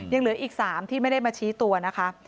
ยังเหลืออีก๓ที่ไม่ได้มาชี้ตัวนะคะ